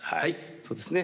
そうですね。